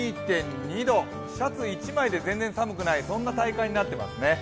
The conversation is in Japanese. シャツ１枚で全然寒くないそんな体感になっています。